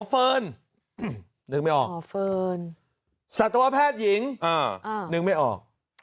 หมอเฟิร์นหนึ่งไม่ออกสัตวแพทย์หญิงหนึ่งไม่ออก